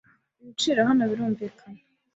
Ibiciro hano birumvikana.